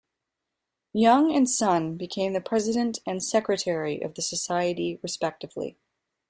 Yeung and Sun became the President and Secretary of the Society respectively.